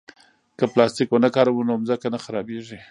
که پلاستیک ونه کاروو نو ځمکه نه خرابېږي.